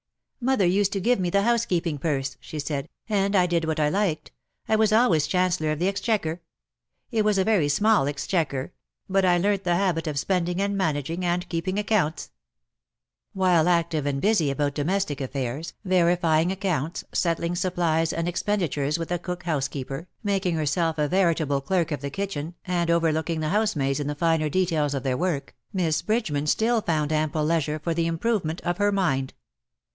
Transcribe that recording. "Mother used to give me the housekeeping purse," she said, '' and I did what I liked. I was always Chancellor of the Exchequer. It was a very small exchequer; but I learnt the habit of spending and managing, and keeping accounts." While active and busv about domestic affairs. 172 IN SOCIETY. verifying accounts, settling supplies and expenditures with the cook housekeeper_, making herself a veri table clerk of the kitchen^ and overlooking the housemaids in the finer details of their work, Miss Bridgeman still found ample leisure for the improve ment of her mind.